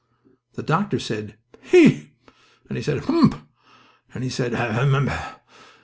The doctor said "He!" and he said "Hum!" and he said "Ahem!"